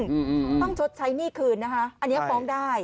ต้องชดใช้หนี้คืนอันนี้ฟ้องได้